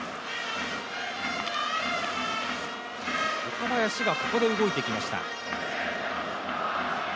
岡林がここで動いてきました。